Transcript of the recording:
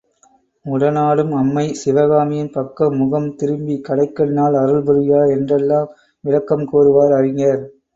உடனாடும் அம்மை சிவகாமியின் பக்கம் முகம் திரும்பி கடைக்கண்ணால் அருள்புரிகிறார் என்றெல்லாம் விளக்கம் கூறுவர் அறிஞர்.